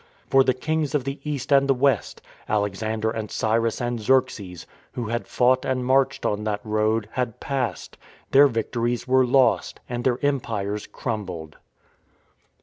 For the kings of the East and the West — Alexander and Cyrus and Xerxes — who had fought and marched on that Road, had passed; their victories were lost, and their em pires crumbled.